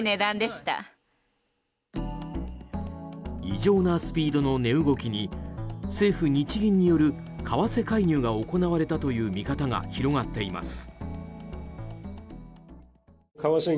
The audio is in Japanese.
異常なスピードの値動きに政府・日銀による為替介入が行われたという見方が広がっています。